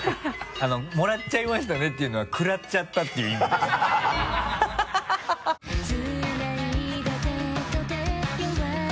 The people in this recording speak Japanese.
「もらっちゃいましたね」っていうのはくらっちゃったっていう意味でねハハハ